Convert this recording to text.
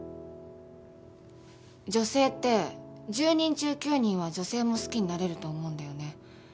女性って１０人中９人は女性も好きになれると思うんだよね。